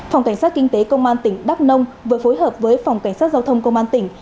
phòng cảnh sát kinh tế công an tỉnh đắk nông vừa phối hợp với phòng cảnh sát giao thông công an tỉnh